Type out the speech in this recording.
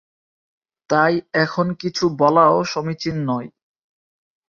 তাই এখন কিছু বলাও সমীচীন নয়।